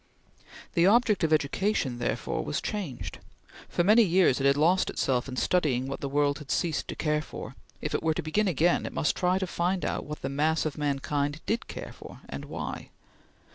The object of education, therefore, was changed. For many years it had lost itself in studying what the world had ceased to care for; if it were to begin again, it must try to find out what the mass of mankind did care for, and why.